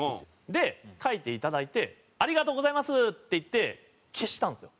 で書いていただいて「ありがとうございます！」って言って消したんですよ。